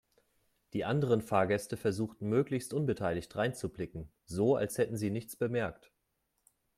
Die anderen Fahrgäste versuchten möglichst unbeteiligt dreinzublicken, so als hätten sie nichts bemerkt.